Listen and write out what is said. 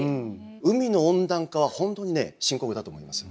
海の温暖化は本当に深刻だと思いますよ。